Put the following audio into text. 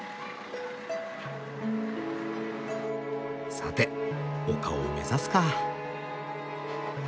さて丘を目指すか。